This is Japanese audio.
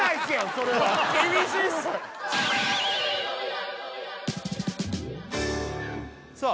それは・厳しいっすさあ